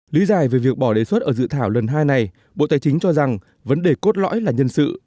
lý giải về việc bỏ đề xuất ở dự thảo lần hai này bộ tài chính cho rằng vấn đề cốt lõi là nhân sự